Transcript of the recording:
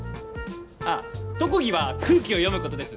あっ特技は空気を読むことです。